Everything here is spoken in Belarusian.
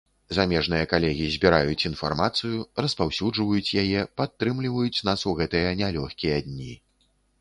Замежныя калегі збіраюць інфармацыю, распаўсюджваюць яе, падтрымліваюць нас у гэтыя нялёгкія дні.